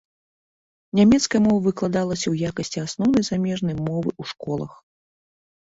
Нямецкая мова выкладалася ў якасці асноўнай замежнай мовы ў школах.